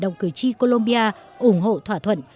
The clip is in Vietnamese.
và đồng cử tri colombia ủng hộ thỏa thuận